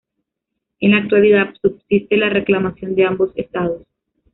En la actualidad subsiste la reclamación de ambos estados.